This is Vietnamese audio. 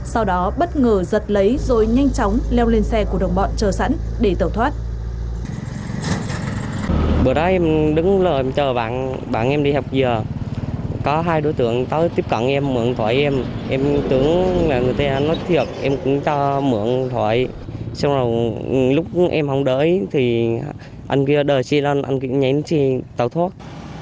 sau đó bất ngờ giật lấy rồi nhanh chóng leo lên xe của đồng bọn chờ sẵn để tẩu thoát